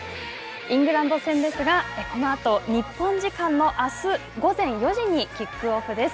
イングランド戦ですがこのあと、日本時間の午前４時にキックオフです。